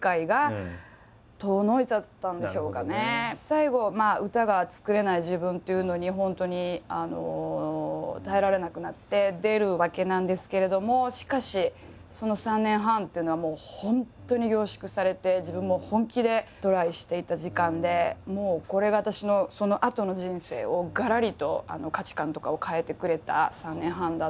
最後歌が作れない自分というのに本当に耐えられなくなって出るわけなんですけれどもしかしその３年半っていうのはもう本当に凝縮されて自分も本気でトライしていた時間でもうこれが私のそのあとの人生をがらりと価値観とかを変えてくれた３年半だったので。